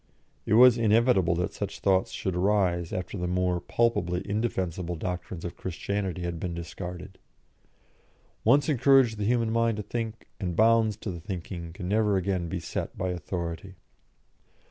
It was inevitable that such thoughts should arise after the more palpably indefensible doctrines of Christianity had been discarded. Once encourage the human mind to think, and bounds to the thinking can never again be set by authority.